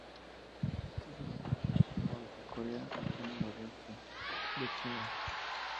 Es originaria de Japón, Corea y nordeste de China.